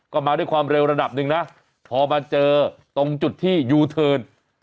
ก็มาด้วยความเร็วระดับหนึ่งนะพอมาเจอตรงจุดที่ยูเทิร์น